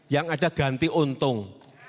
yang ada ganti untung